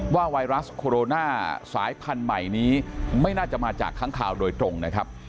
ไวรัสโคโรนาสายพันธุ์ใหม่นี้ไม่น่าจะมาจากค้างคาวโดยตรงนะครับ